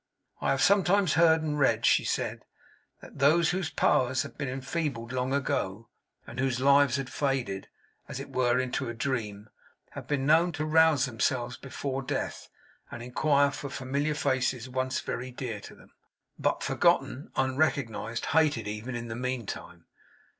'I have sometimes heard, and read,' she said, 'that those whose powers had been enfeebled long ago, and whose lives had faded, as it were, into a dream, have been known to rouse themselves before death, and inquire for familiar faces once very dear to them; but forgotten, unrecognized, hated even, in the meantime.